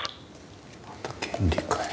また権利かよ。